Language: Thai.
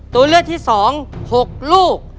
ตัวเลือกที่๒๖ลูก